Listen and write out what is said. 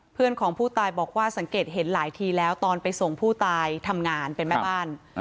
เพื่อนของผู้ตายบอกว่าสังเกตเห็นหลายทีแล้วตอนไปส่งผู้ตายทำงานเป็นแม่บ้าน